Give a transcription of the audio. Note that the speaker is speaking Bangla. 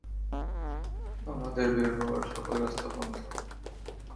আমাদের বের হবার সকল রাস্তা বন্ধ।